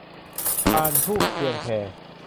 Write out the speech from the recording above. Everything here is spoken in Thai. พานธูปเทียนแพ